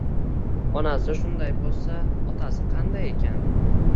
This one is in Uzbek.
Onasi shunday bo‘lsa, otasi qanday ekan.